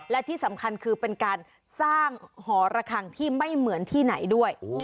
และที่สำคัญคือเป็นการสร้างหอระคังที่ไม่เหมือนที่ไหนด้วย